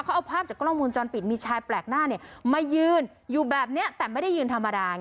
เขาเอาภาพจากกล้องมูลจรปิดมีชายแปลกหน้าเนี่ยมายืนอยู่แบบนี้แต่ไม่ได้ยืนธรรมดาไง